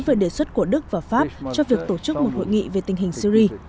về đề xuất của đức và pháp cho việc tổ chức một hội nghị về tình hình syri